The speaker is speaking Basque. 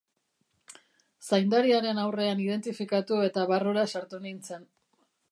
Zaindariaren aurrean identifikatu eta barrura sartu nintzen.